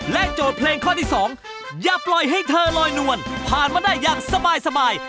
โจทย์เพลงข้อที่๒อย่าปล่อยให้เธอลอยนวลผ่านมาได้อย่างสบาย